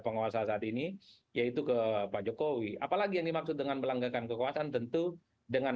penguasa saat ini yaitu ke pak jokowi apalagi yang dimaksud dengan melanggarkan kekuasaan tentu dengan